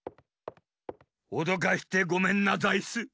おどかしてごめんなザイス。